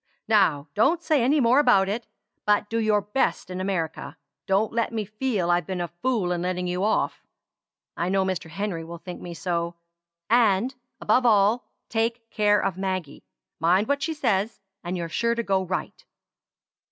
"Now don't say any more about it, but do your best in America; don't let me feel I've been a fool in letting you off. I know Mr. Henry will think me so. And, above all, take care of Maggie. Mind what she says, and you're sure to go right."